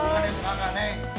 mendingan yang sekarang neng